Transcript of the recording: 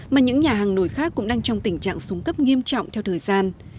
mà những nhà hàng nổi khác cũng đang trong tình trạng súng cấp nghiêm trọng theo thời gian